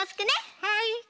はい。